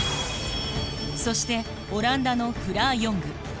そしてオランダのフラー・ヨング。